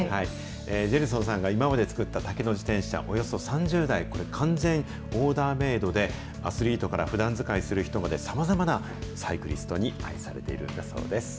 ジェルソンさんが今まで作った竹の自転車、およそ３０台、これ、完全オーダーメードで、アスリートからふだん使いする人まで、さまざまなサイクリストに愛されているんだそうです。